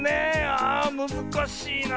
あむずかしいなあ。